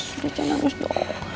sudah jangan nangis dok